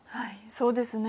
そうですね。